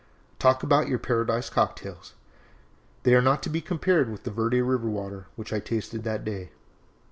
Talk about your Paradise Cocktails they are not to be compared with that Verde River water which I tasted that day!"